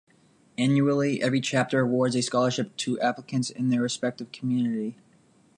Annually, every chapter awards a scholarship to applicants in their respective community.